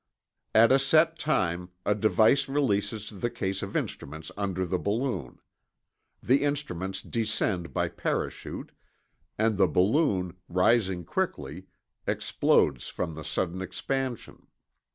At a set time, a device releases the case of instruments under the balloon. The instruments descend by parachute, and the balloon, rising quickly, explodes from the sudden expansion.